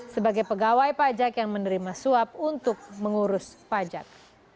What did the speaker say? sebagai pegawai pajak yang menerima suap untuk mengurus pajak